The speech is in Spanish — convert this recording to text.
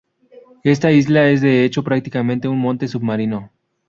Esta isla es de hecho prácticamente un monte submarino.